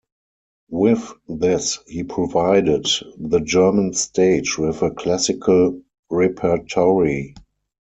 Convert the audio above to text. With this, he provided the German stage with a classical repertory.